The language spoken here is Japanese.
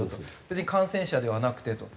別に感染者ではなくてと。